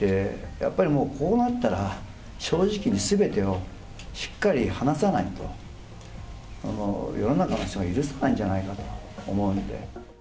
やっぱりこうなったら、正直にすべてをしっかり話さないと、世の中の人が許さないんじゃないかなと思うんで。